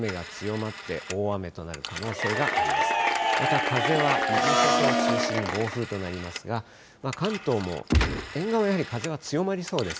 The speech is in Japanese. また風は伊豆諸島を中心に暴風となりますが、関東も沿岸はやはり風は強まりそうです。